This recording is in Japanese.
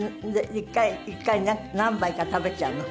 １回１回に何杯か食べちゃうの？